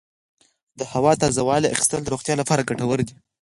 د هوا تازه والي اخیستل د روغتیا لپاره ګټور دي.